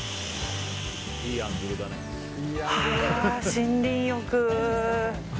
森林浴。